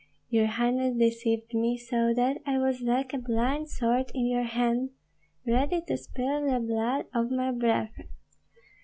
Your highness deceived me, so that I was like a blind sword in your hand, ready to spill the blood of my brethren.